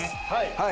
はい。